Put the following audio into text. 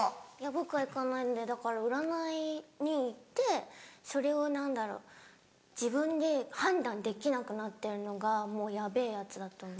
僕は行かないんでだから占いに行ってそれを何だろう自分で判断できなくなってるのがもうヤベェヤツだと思う。